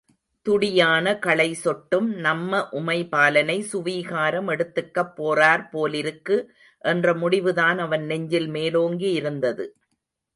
துடியான களை சொட்டும் நம்ம உமைபாலனை சுவீகாரம் எடுத்துக்கப் போறார் போலிருக்கு! என்ற முடிவுதான் அவன் நெஞ்சில் மேலோங்கியிருந்தது.